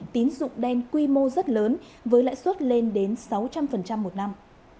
tín dụng đen quy mô rất lớn với lãi suất lên đến sáu trăm linh một năm